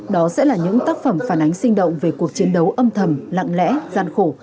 đó sẽ là những tác phẩm phản ánh sinh động về cuộc chiến đấu âm thầm lặng lẽ gian khổ